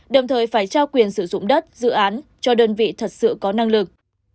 đồng thời phải trao quyền sử dụng đất dự án cho đơn vị thật sự có năng lực